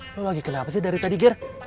lo lagi kenapa sih dari tadi ger